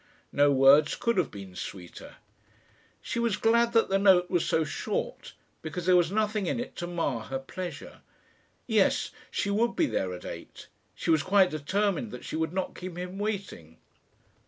No words could have been sweeter. She was glad that the note was so short, because there was nothing in it to mar her pleasure. Yes, she would be there at eight. She was quite determined that she would not keep him waiting.